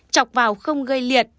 chọc vào không gây liệt